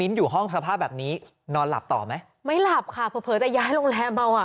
ต่อให้ย้ายชั้นแล้ว